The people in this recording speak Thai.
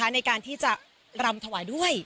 ในการที่จะรำถวายด้วย